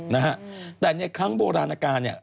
นะฮะแต่ในครั้งโบราณการเนี่ย